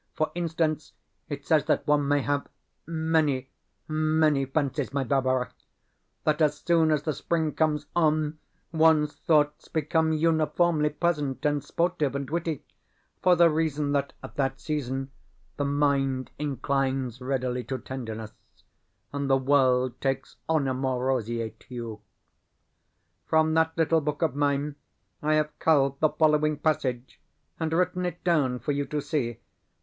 For instance, it says that one may have many, many fancies, my Barbara that as soon as the spring comes on, one's thoughts become uniformly pleasant and sportive and witty, for the reason that, at that season, the mind inclines readily to tenderness, and the world takes on a more roseate hue. From that little book of mine I have culled the following passage, and written it down for you to see.